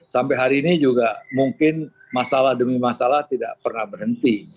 sampai hari ini juga mungkin masalah demi masalah tidak pernah berhenti